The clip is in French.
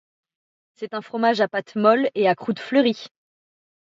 C'est un fromage à pâte molle et à croûte fleurie.